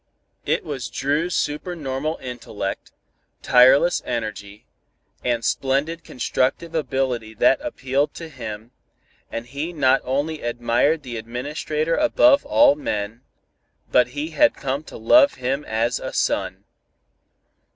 It was Dru's supernormal intellect, tireless energy, and splendid constructive ability that appealed to him, and he not only admired the Administrator above all men, but he had come to love him as a son.